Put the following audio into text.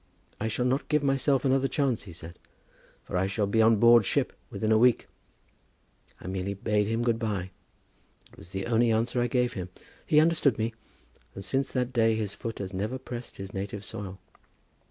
'I shall not give myself another chance,' he said, 'for I shall be on board ship within a week.' I merely bade him good by. It was the only answer I gave him. He understood me, and since that day his foot has never pressed his native soil."